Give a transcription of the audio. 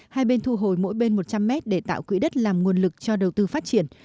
hai bên thu hồi mỗi bên một trăm linh mét để tạo quỹ đất làm nguồn lực cho đầu tư phát triển